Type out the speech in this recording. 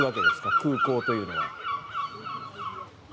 空港というのは。